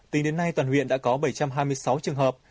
tính đến nay toàn huyện đã có bảy trăm hai mươi sáu trường hợp